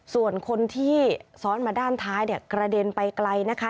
ส่วนคนที่ซ้อนมาด้านท้ายเนี่ยกระเด็นไปไกลนะคะ